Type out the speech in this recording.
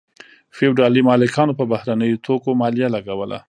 فیوډالي مالکانو په بهرنیو توکو مالیه لګوله.